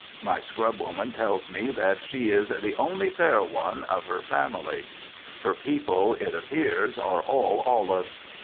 My scrubwoman tells me that she is "the only fair one" of her family. Her people, it appears, "are all olive."